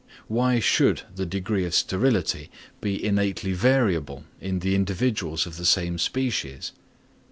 Why should the degree of sterility be innately variable in the individuals of the same species?